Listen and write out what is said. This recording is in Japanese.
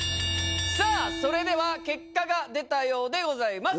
さあそれでは結果が出たようでございます。